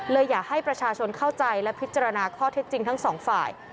อยากให้ประชาชนเข้าใจและพิจารณาข้อเท็จจริงทั้งสองฝ่าย